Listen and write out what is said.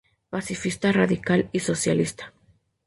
Pacifista radical y socialista.